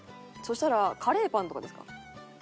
そしたらカレーパンとかですか？